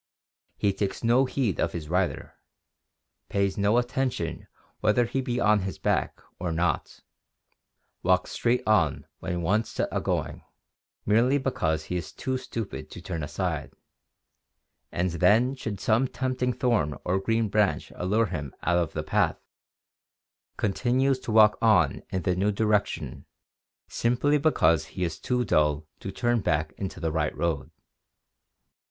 He takes no heed of his rider, pays no attention whether he be on his back or not, walks straight on when once set agoing, merely because he is too stupid to turn aside, and then should some tempting thorn or green branch allure him out of the path, continues to walk on in 630 ORGANIC EVOLUTION the new direction simply because he is too dull to turn back into the right road.